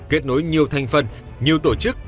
kết nối nhiều thành phần nhiều tổ chức